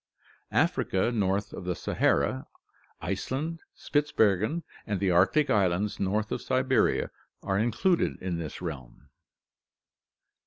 Africa north of the Sahara, Iceland, Spitsbergen, and the Arctic islands north of Siberia are included in this realm.